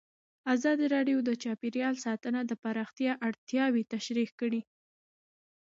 ازادي راډیو د چاپیریال ساتنه د پراختیا اړتیاوې تشریح کړي.